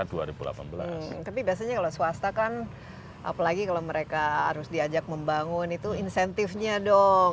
tapi biasanya kalau swasta kan apalagi kalau mereka harus diajak membangun itu insentifnya dong